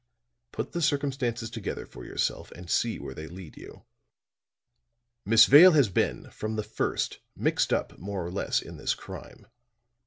Put the circumstances together for yourself and see where they lead you. Miss Vale has been from the first mixed up more or less in this crime.